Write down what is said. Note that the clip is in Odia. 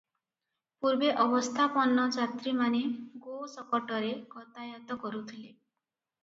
ପୂର୍ବେ ଅବସ୍ଥାପନ୍ନ ଯାତ୍ରୀମାନେ ଗୋ-ଶକଟରେ ଗତାୟତ କରୁଥିଲେ ।